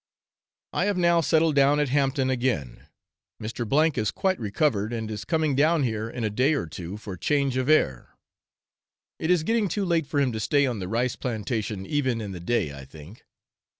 I have now settled down at Hampton again; Mr. is quite recovered, and is coming down here in a day or two for change of air; it is getting too late for him to stay on the rice plantation even in the day, I think.